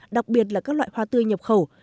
đặc biệt là các loại hoa tươi nhập khẩu